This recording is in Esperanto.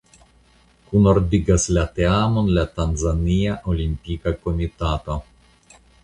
Kunordigas la teamon la Tanzania Olimpika Komitato.